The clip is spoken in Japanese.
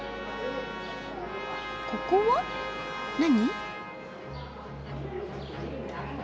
ここは何？